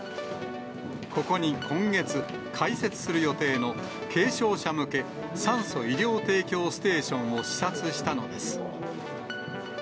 ここに今月、開設する予定の軽症者向け、酸素・医療提供ステーションを視察したのです。